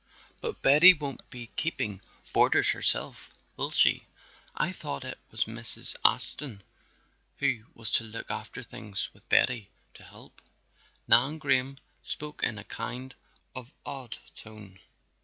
"But Betty won't be keeping boarders herself, will she? I thought it was Mrs. Ashton who was to look after things with Betty to help," Nan Graham spoke in a kind of awed tone.